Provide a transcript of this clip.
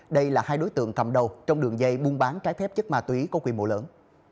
đây là hai đối tượng cầm đầu trong đường dây buôn bán trái phép chất ma túy có quy mô lớn